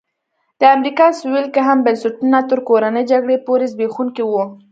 د امریکا سوېل کې هم بنسټونه تر کورنۍ جګړې پورې زبېښونکي وو.